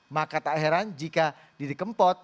maka tak heran jika di kempot bisa trending setelah itu